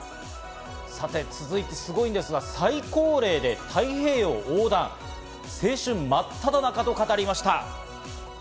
さて続いて、すごいですが、最高齢で太平洋横断、青春まっただ中と語りました。